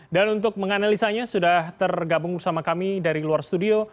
dan untuk menganalisanya sudah tergabung bersama kami dari luar studio